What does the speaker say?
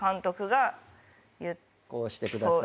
こうしてください。